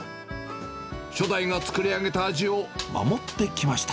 初代が作り上げた味を守ってきました。